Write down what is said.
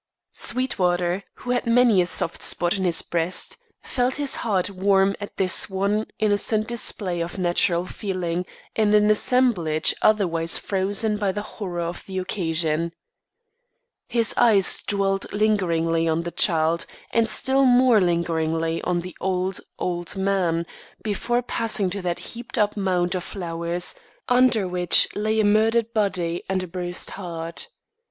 Sweetwater, who had many a soft spot in his breast, felt his heart warm at this one innocent display of natural feeling in an assemblage otherwise frozen by the horror of the occasion. His eyes dwelt lingeringly on the child, and still more lingeringly on the old, old man, before passing to that heaped up mound of flowers, under which lay a murdered body and a bruised heart.